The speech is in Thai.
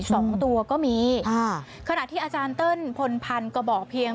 สองตัวก็มีอ่าขณะที่อาจารย์เติ้ลพลพันธ์ก็บอกเพียง